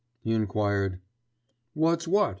he enquired. "What's what?"